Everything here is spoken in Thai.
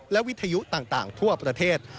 และวิทยุต่างทั่วประเทศ